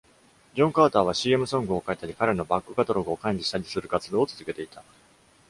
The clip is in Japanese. ジョン・カーターは、CM ソングを書いたり、彼のバックカタログを管理したりする活動を続けていた。